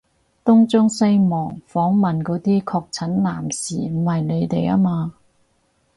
東張西望訪問嗰啲確診男士唔係你哋吖嘛？